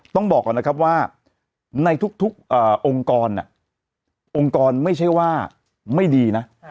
ต้องบอกก่อนนะครับว่าในทุกองค์กรองค์กรไม่ใช่ว่าไม่ดีนะ